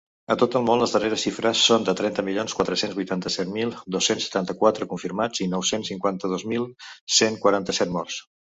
A tot el món, les darreres xifres són de trenta milions quatre-cents vuitanta-set mil dos-cents setanta-quatre confirmats i nou-cents cinquanta-dos mil cent noranta-set morts.